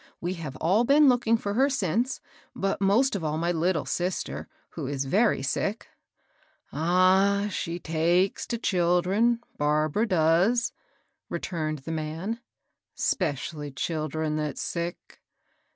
We have all been looking for her since ; but most of all my little sister, who is very sick." ^^ Ah I she takes to children, Barbara does," re turned the man, —'specilly children that's sick.